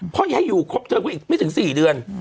เพราะให้อยู่ไม่ถึง๔เดือน